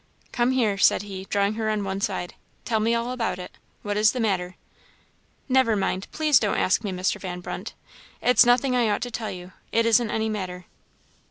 "Come here," said he, drawing her on one side; "tell me all about it what is the matter?" "Never mind please don't ask me, Mr. Van Brunt, it's nothing I ought to tell you it isn't any matter."